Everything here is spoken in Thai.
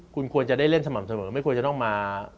คุณควรจะได้เล่นสม่ำเสมอไม่ควรจะต้องมา